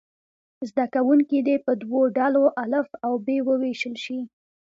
زده کوونکي دې په دوو ډلو الف او ب وویشل شي.